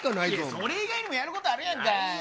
それ以外にもやることあるやないよ。